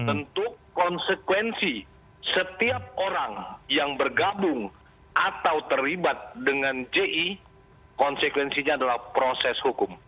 tentu konsekuensi setiap orang yang bergabung atau terlibat dengan ji konsekuensinya adalah proses hukum